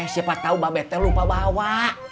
siapa tau mbak betel lupa bawa